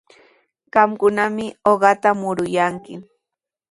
Qamkunami uqata muruyanki.